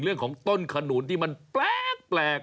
เรื่องของต้นขนุนที่มันแปลก